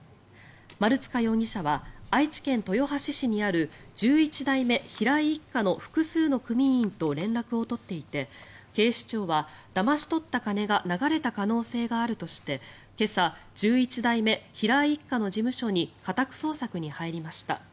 丸塚容疑者は愛知県豊橋市にある十一代目平井一家の複数の組員と連絡を取っていて警視庁は、だまし取った金が流れた可能性があるとして今朝、十一代目平井一家の事務所に家宅捜索に入りました。